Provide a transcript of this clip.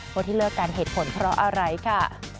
ว่าที่เลิกกันเหตุผลเพราะอะไรค่ะ